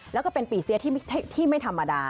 แล้วก็เป็นปีเสียที่ไม่ธรรมดา